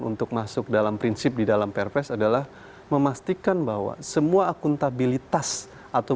untuk masuk dalam prinsip di dalam perpres adalah memastikan bahwa semua akuntabilitas atau